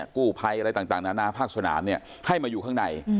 กู้ภัยอะไรต่างนานาภาคสนามให้มาอยู่ข้างใน